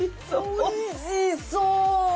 おいしそう。